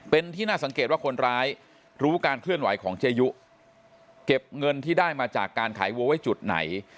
เป็นที่น่าสังเกตว่าคนร้ายรู้การเคลื่อนไหวของเจยุเก็บเงินที่ได้มาจากการขายวัวไว้จุดไหน